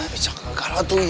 bisa gak kalah tuh